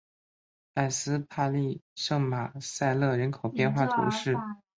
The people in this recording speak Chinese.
埃斯帕利圣马塞勒人口变化图示